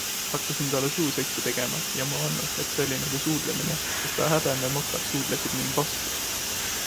Hakkasin talle suuseksi tegema ja ma vannun, et see oli nagu suudlemine, sest ta häbememokad suudlesid mind vastu.